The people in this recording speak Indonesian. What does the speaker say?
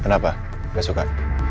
kenapa gak suka